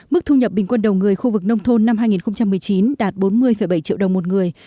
mức thu nhập bình quân đầu người khu vực nông thôn năm hai nghìn một mươi chín đạt bốn mươi bảy triệu đồng một người